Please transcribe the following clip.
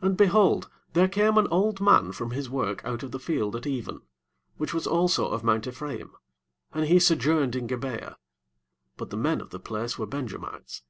16 ¶ And, behold, there came an old man from his work out of the field at even, which was also of mount E'phra im; and he sojourned in Gib'e ah: but the men of the place were Benjamites.